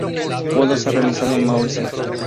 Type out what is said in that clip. Pudo ser realizada en Murcia.